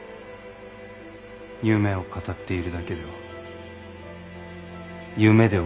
夢を語っているだけでは夢で終わりますぞ。